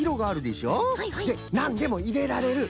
で「なんでもいれられる」。